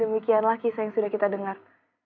demikianlah kisah yang sudah kita dengar